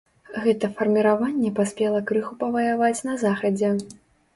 Гэта фарміраванне паспела крыху паваяваць на захадзе.